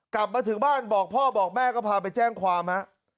กลับมาถึงบ้านบอกพ่อบอกแม่ก็พาไปแจ้งความฮะ